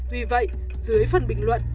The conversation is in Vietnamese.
vì vậy dưới phần bình luận